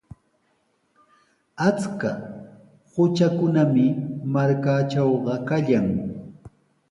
Achka qutrakunami markaatrawqa kallan.